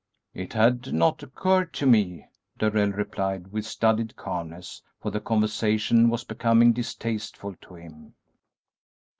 "It had not occurred to me," Darrell replied, with studied calmness, for the conversation was becoming distasteful to him.